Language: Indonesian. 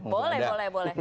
boleh boleh boleh